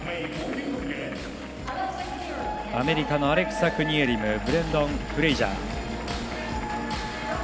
アメリカのアレクサ・クニエリムブランドン・フレイジャー。